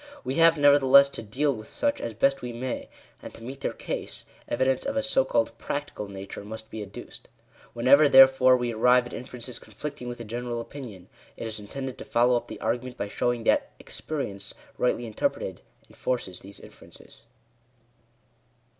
We have, nevertheless, to deal with such as best we may; and, to meet their case, evidence of a so called " practical" nature must be adduced. Whenever, therefore, we arrive at inferences conflicting with the general opinion, it is intended to follow up the argument by showing that " ex perience," rightly interpreted, enforces these inferences.